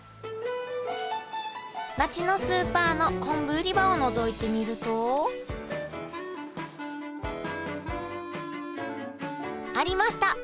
町のスーパーの昆布売り場をのぞいてみるとありました！